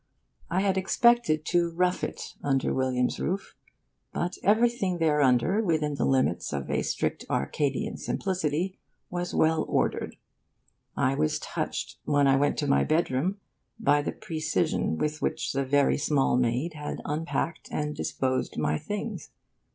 I had expected to 'rough it' under William's roof. But everything thereunder, within the limits of a strict Arcadian simplicity, was well ordered. I was touched, when I went to my bedroom, by the precision with which the very small maid had unpacked and disposed my things.